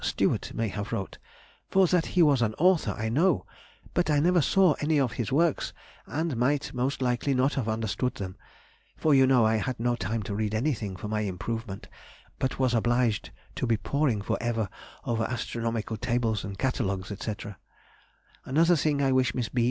Stewart may have wrote, for that he was an author I know, but I never saw any of his works and might most likely not have understood them, for you know I had no time to read anything for my improvement, but was obliged to be poring for ever over astronomical tables and catalogues, &c. Another thing I wish Miss B.